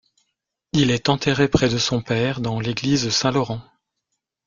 Il est enterré près de son père dans l'église Saint-Laurent.